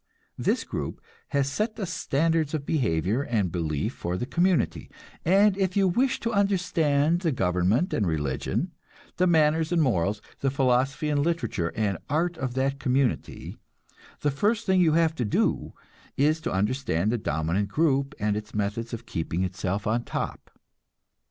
This group has set the standards of behavior and belief for the community, and if you wish to understand the government and religion, the manners and morals, the philosophy and literature and art of that community, the first thing you have to do is to understand the dominant group and its methods of keeping itself on top.